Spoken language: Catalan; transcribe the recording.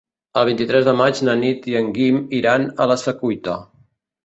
El vint-i-tres de maig na Nit i en Guim iran a la Secuita.